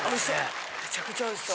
めちゃくちゃおいしそう。